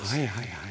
はい。